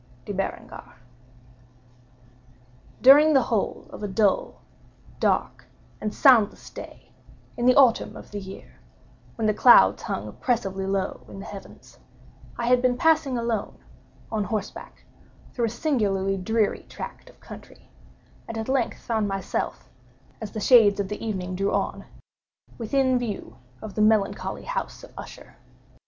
—De Béranger. During the whole of a dull, dark, and soundless day in the autumn of the year, when the clouds hung oppressively low in the heavens, I had been passing alone, on horseback, through a singularly dreary tract of country; and at length found myself, as the shades of the evening drew on, within view of the melancholy House of Usher.